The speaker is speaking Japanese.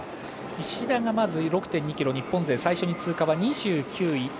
石田が６．２ｋｍ日本勢最初の通過は２９位。